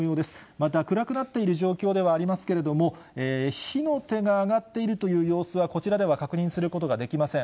また暗くなっている状況ではありますけれども、火の手が上がっているという様子はこちらでは確認することはできません。